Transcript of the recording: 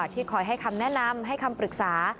ที่คอยให้คำแนะนำให้คำปรึกษา